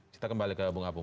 kita kembali ke bung hapu